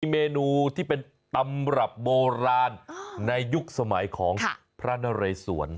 เมนูที่เป็นตำรับโบราณในยุคสมัยของพระนเรศวร